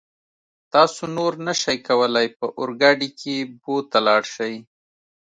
تاسو نور نشئ کولای په اورګاډي کې بو ته لاړ شئ.